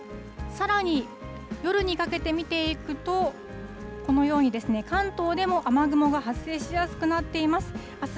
さらに夜にかけて見ていくと、このように関東でも雨雲が発生しやすくなっています。